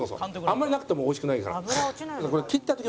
あんまりなくても美味しくないから。